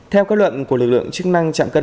theo kết luận của lực lượng chức năng trạm cân